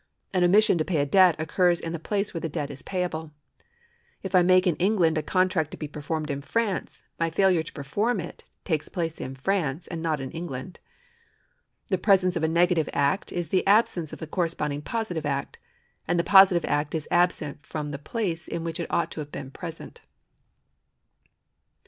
An omission to pay a debt occurs in the place where the debt is payable.^ If I make in England a contract to be performed in France, my failure to perform it takes place in France and not in England. The presence of a negative act is the absence of the corresponding positive act. and the positive act is absent from the })lace in which it ought to have been present.